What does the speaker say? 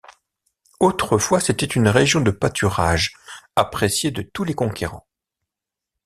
Autrefois, c'était une région de pâturages appréciée de tous les conquérants.